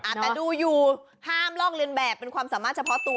แต่ดูอยู่ห้ามลอกเรียนแบบเป็นความสามารถเฉพาะตัว